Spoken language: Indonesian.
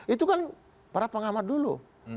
itu kan para pengamat dulu